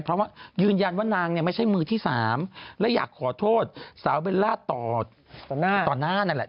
เพราะว่ายืนยันว่านางเนี่ยไม่ใช่มือที่๓และอยากขอโทษสาวเบลล่าต่อหน้านั่นแหละ